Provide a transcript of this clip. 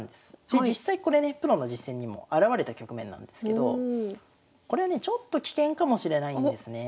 で実際これねプロの実戦にも現れた局面なんですけどこれはねちょっと危険かもしれないんですね。